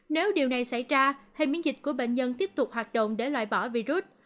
nếu điều này xảy ra hệ miễn dịch của bệnh nhân tiếp tục hoạt động để loại bỏ virus